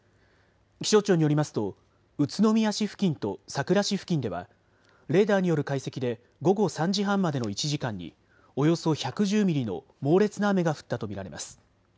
気象庁によりますと宇都宮市付近とさくら市付近ではレーダーによる解析で午後３時半までの１時間におよそ１１０ミリの猛烈な雨が降ったと見られます。